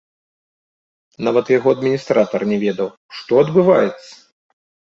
Нават яго адміністратар не ведаў, што адбываецца!